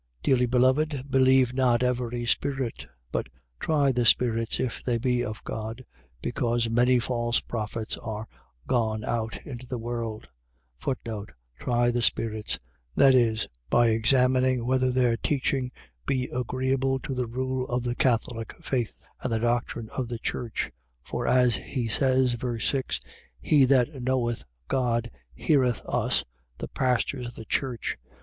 4:1. Dearly beloved, believe not every spirit, but try the spirits if they be of God: because many false prophets are gone out into the world. Try the spirits. . .Viz., by examining whether their teaching be agreeable to the rule of the Catholic faith, and the doctrine of the church. For as he says, (ver. 6,) He that knoweth God, heareth us [the pastors of the church].